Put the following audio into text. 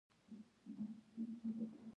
افغانستان په نړۍ کې د زراعت لپاره مشهور دی.